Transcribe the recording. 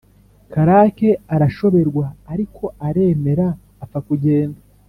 karake arashoberwa ariko aremera apfa kugenda